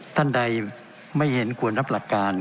ท่านใดไม่เห็นควรรับหลักการ